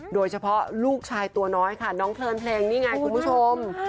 โดยเฉพาะลูกชายตัวน้อยค่ะน้องเพลินเพลงนี่ไงคุณผู้ชม